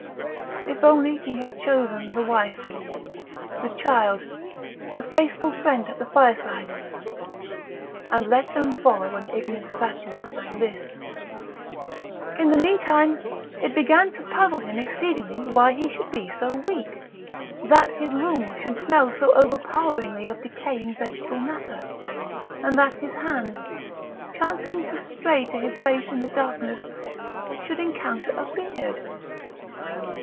If only he had chosen the wife, the child the faithful friend at the fireside, and let them follow an ignis fatuus that list!... In the meantime it began to puzzle him exceedingly what he should be so weak, that his room should smell so overpoweringly of decaying vegetable matter, and that his hand, chancing to stray to his face in the darkness, should encounter a beard.